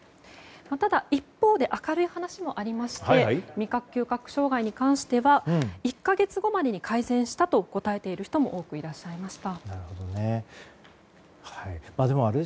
ただ、一方で明るい話もありまして味覚・嗅覚障害に関しては１か月後までに改善したと答えている人も多くいらっしゃいました。